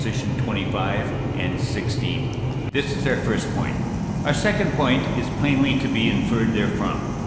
xxv. and xvi.); this is our first point. Our second point is plainly to be inferred therefrom.